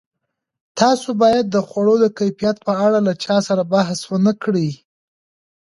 تاسو باید د خوړو د کیفیت په اړه له چا سره بحث ونه کړئ.